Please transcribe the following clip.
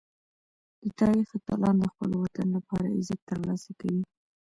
د تاریخ اتلان د خپل وطن لپاره عزت ترلاسه کوي.